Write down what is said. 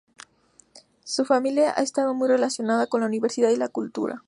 Su familia ha estado muy relacionada con la Universidad y la cultura.